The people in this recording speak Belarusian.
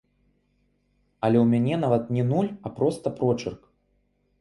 Але ў мяне нават не нуль, а проста прочырк.